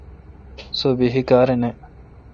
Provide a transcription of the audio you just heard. سو بحی کار نہ۔